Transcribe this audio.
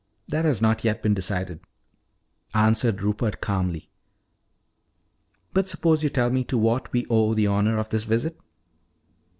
"That has not yet been decided," answered Rupert calmly. "But suppose you tell me to what we owe the honor of this visit?"